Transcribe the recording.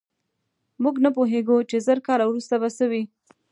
موږ نه پوهېږو، چې زر کاله وروسته به څه وي.